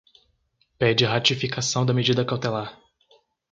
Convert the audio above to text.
Pede ratificação da medida cautelar